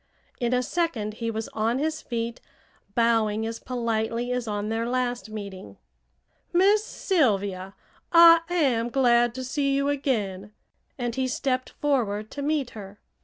In a second he was on his feet, bowing as politely as on their last meeting. "Miss Sylvia, I am glad to see you again," and he stepped forward to meet her.